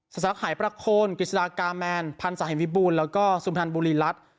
ศาลักษณ์หายประโคนกฤษฎากาแมนพรรณสาเหมภิบูลแล้วก็สุพรณบุรีรัฐ